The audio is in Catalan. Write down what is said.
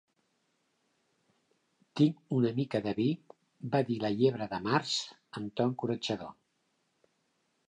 "Tinc una mica de vi" va dir la Llebre de Març, amb to encoratjador.